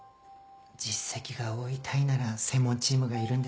実績が多いタイなら専門チームがいるんですが。